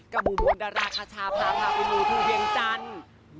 กับมุมมดราราคชาพาเป็นหมู่ถูเหียงจันทร์